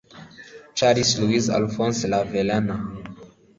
Charles Louis Alphonse Laveran